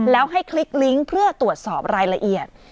แล้วให้คลิกลิงก์เพื่อตรวจสอบรายละเอียด